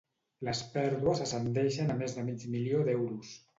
Les pèrdues ascendeixen a més de mig milió d'euros.